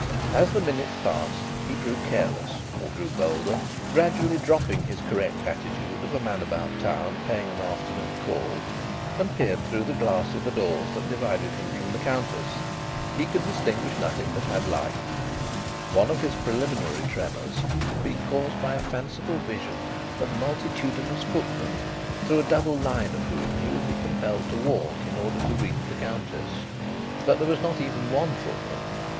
As the minutes passed he grew careless, or grew bolder, gradually dropping his correct attitude of a man about town paying an afternoon call, and peered through the glass of the doors that divided him from the Countess. He could distinguish nothing that had life. One of his preliminary tremors had been caused by a fanciful vision of multitudinous footmen, through a double line of whom he would be compelled to walk in order to reach the Countess. But there was not even one footman.